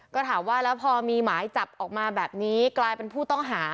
ก็ถามว่าแล้วพอมีหมายจับออกมาแบบนี้กลายเป็นผู้ต้องหา